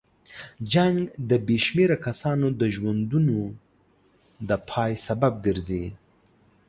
جنګ د بې شمېره کسانو د ژوندونو د پای سبب ګرځي.